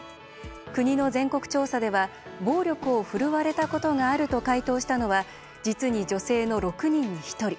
国の全国調査では暴力を振るわれたことがあると回答したのは実に女性の６人に１人。